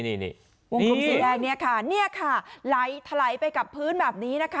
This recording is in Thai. กรุงคลุมสีแดงเนี่ยค่ะนี่ค่ะไหลทะไหลไปกับพื้นแบบนี้นะคะ